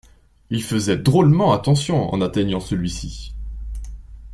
Il faisait drôlement attention en atteignant celui-ci